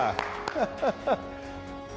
ハハハ！